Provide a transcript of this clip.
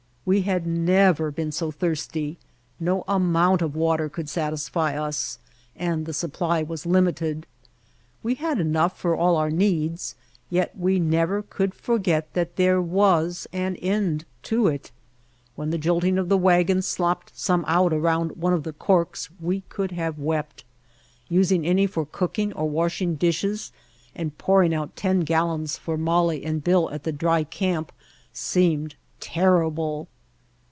We had never been so thirsty, no amount of water could satisfy us, and the supply was limited. We had enough for all our needs, yet we never could forget that there was an end to it. When the jolting of the wagon slopped some out around one of the corks we could have wept. Using any for cooking or washing dishes, and pouring out ten gallons for Molly and Bill at the dry camp seemed terrible.